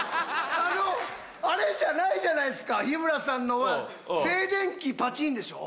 あのあれじゃないじゃないっすか日村さんのは静電気パチンでしょう？